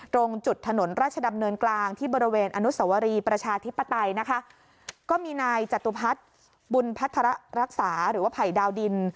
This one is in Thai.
ตรงจุดถนนราชดำเนินกลางที่บริเวณอนุสวรีประชาธิปไตยนะคะก็มีนายจตุพัฒน์บุญพัฒระรักษาหรือว่าไผ่ดาวดิน